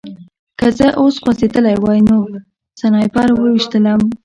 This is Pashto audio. که زه اوس خوځېدلی وای نو سنایپر ویشتلم